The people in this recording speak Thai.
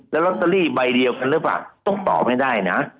แล้วลอตเตอรี่ใบเดียวกันหรือเปล่าต้องตอบให้ได้นะ